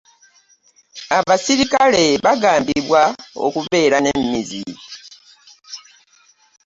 abaserikale bagambibwa okubeera n'emmizi.